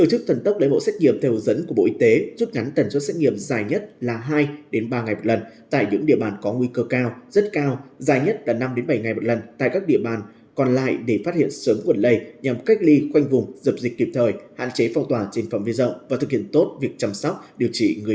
hãy đăng ký kênh để ủng hộ kênh của chúng mình nhé